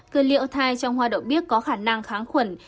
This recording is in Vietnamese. kiliothai trong hoa đậu biếc có khả năng kháng khuẩn